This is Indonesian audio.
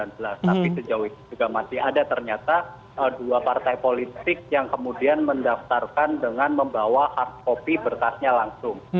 tapi sejauh ini juga masih ada ternyata dua partai politik yang kemudian mendaftarkan dengan membawa hard copy berkasnya langsung